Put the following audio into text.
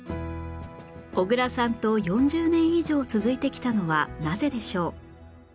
小倉さんと４０年以上続いてきたのはなぜでしょう？